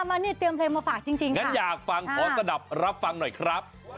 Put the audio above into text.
มานี่เตรียมเพลงมาฝากจริงงั้นอยากฟังขอสนับรับฟังหน่อยครับ